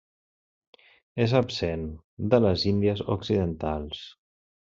És absent de les Índies Occidentals.